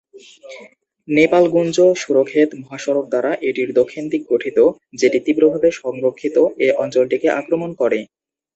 নেপালগুঞ্জ-সুরখেত মহাসড়ক দ্বারা এটির দক্ষিণ দিক গঠিত, যেটি তীব্রভাবে সংরক্ষিত এ-অঞ্চলটিকে আক্রমণ করে।